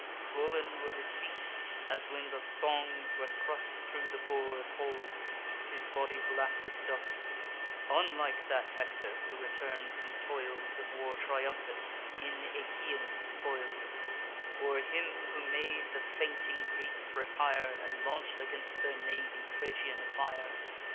Swoln were his feet, as when the thongs were thrust Thro' the bor'd holes; his body black with dust; Unlike that Hector who return'd from toils Of war, triumphant, in Aeacian spoils, Or him who made the fainting Greeks retire, And launch'd against their navy Phrygian fire.